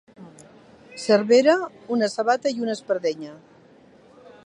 Cervera, una sabata i una espardenya.